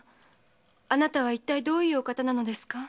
あなたはいったいどういうお方なのですか？